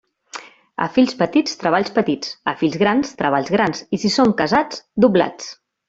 A fills petits, treballs petits; a fills grans, treballs grans, i si són casats, doblats.